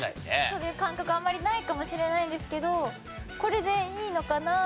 そういう感覚あんまりないかもしれないんですけどこれでいいのかな？っていうのは１つ。